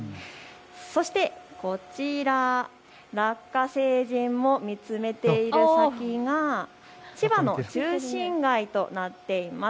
そしてこちら、ラッカ星人も見つめている先が千葉の中心街となっています。